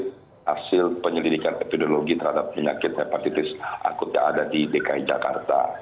hasil penyelidikan epidemiologi terhadap penyakit hepatitis akut yang ada di dki jakarta